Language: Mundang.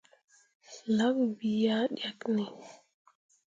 Lak bii ah ɗyakkene ?